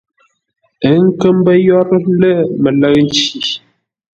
Ə́ kə́ mbə́ yórə́ lə̂ mələ̂ʉ nci.